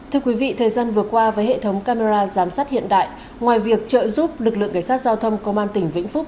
thưa quý vị thời gian vừa qua với hệ thống camera giám sát hiện đại ngoài việc trợ giúp lực lượng cảnh sát giao thông công an tỉnh vĩnh phúc